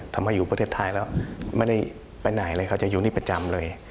มาอยู่ประเทศไทยแล้วไม่ได้ไปไหนเลยเขาจะอยู่นี่ประจำเลย